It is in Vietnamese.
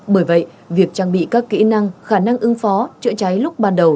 bởi vậy việc trang bị các kỹ năng khả năng ứng phó chữa cháy lúc ban đầu